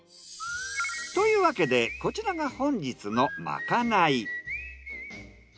というわけでこちらが本日のまかない。